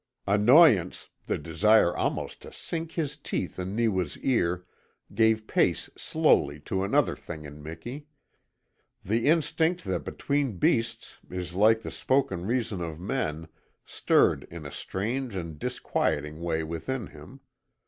Annoyance, the desire almost to sink his teeth in Neewa's ear, gave place slowly to another thing in Miki. The instinct that between beasts is like the spoken reason of men stirred in a strange and disquieting way within him.